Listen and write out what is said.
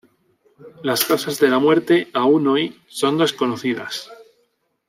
Las causas de la muerte, aún hoy, son desconocidas.